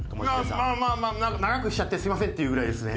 まあまあなんか長くしちゃってすみませんっていうぐらいですね。